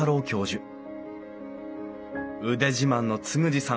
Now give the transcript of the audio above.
腕自慢の嗣二さん